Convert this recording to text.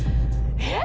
えっ⁉